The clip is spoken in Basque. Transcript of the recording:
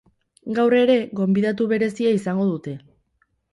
Gaur ere, gonbidatu berezia izango dute.